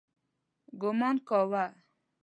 ګومان کاوه.